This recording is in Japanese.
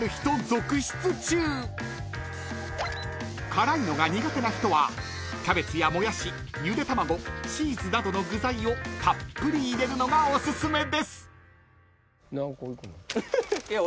［辛いのが苦手な人はキャベツやもやしゆで卵チーズなどの具材をたっぷり入れるのがおすすめです］